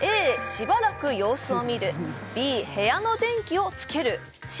しばらく様子を見るＢ部屋の電気をつけるＣ